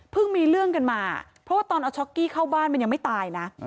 มีเรื่องกันมาเพราะว่าตอนเอาช็อกกี้เข้าบ้านมันยังไม่ตายนะ